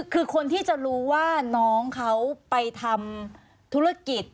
คือคนที่จะรู้ว่าน้องเขาไปทำธุรกิจ